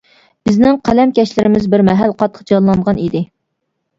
بىزنىڭ قەلەمكەشلىرىمىز بىر مەھەل قاتتىق جانلانغان ئىدى.